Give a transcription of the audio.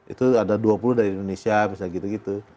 itu ada dua puluh dari indonesia misalnya gitu gitu